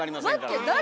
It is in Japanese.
待って誰？